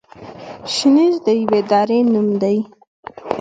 شنیز د یوې درې نوم دی.